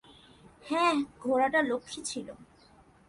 হ্যাঁ, ঘোড়াটা লক্ষ্মী ছিল।